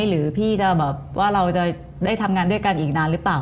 หรือพี่จะแบบว่าเราจะได้ทำงานด้วยกันอีกนานหรือเปล่า